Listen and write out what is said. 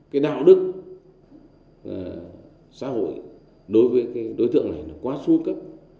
cái đạo đức xã hội đối với cái đối tượng này là quá suốt cấp